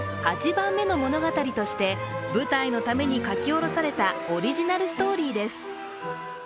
８番目の物語として舞台のために書き下ろされたオリジナルストーリーです。